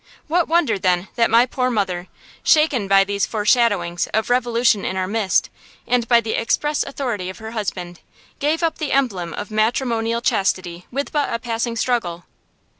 What wonder, then, that my poor mother, shaken by these foreshadowings of revolution in our midst, and by the express authority of her husband, gave up the emblem of matrimonial chastity with but a passing struggle?